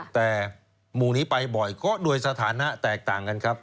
แต่หมู่นี้ไปบ่อยก็โดยสถานะแตกต่างกันครับ